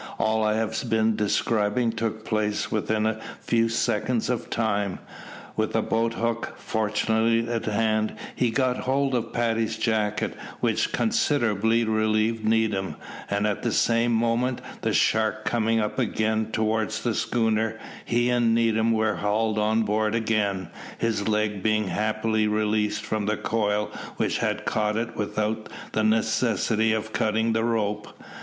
All I have been describing took place within a few seconds of time. With a boat hook, fortunately at hand, he got a hold of Paddy's jacket, which considerably relieved Needham; and at the same moment, the shark coming up again towards the schooner, he and Needham were hauled on board again, his leg being happily released from the coil which had caught it without the necessity of cutting the rope.